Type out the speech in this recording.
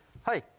はい。